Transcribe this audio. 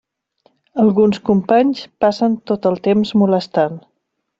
Alguns companys passen tot el temps molestant.